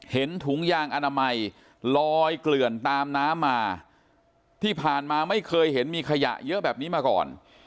ถุงยางอนามัยลอยเกลื่อนตามน้ำมาที่ผ่านมาไม่เคยเห็นมีขยะเยอะแบบนี้มาก่อน